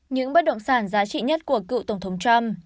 những bất động sản giá trị nhất của cựu tổng thống trump